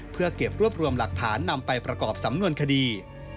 เพื่อเก็บรวบรวมหลักฐานนำไปประกอบสำนวนคดี